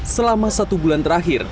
selama satu bulan terakhir